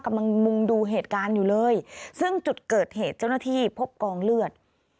มุงดูเหตุการณ์อยู่เลยซึ่งจุดเกิดเหตุเจ้าหน้าที่พบกองเลือด